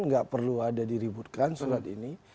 nggak perlu ada diributkan surat ini